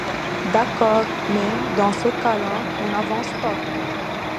D'accord, mais, dans ce cas-là, on n'avance pas.